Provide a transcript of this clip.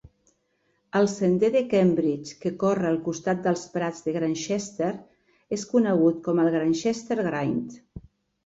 El sender a Cambridge que corre al costat dels prats de Grantchester és conegut com el Grantchester Grind.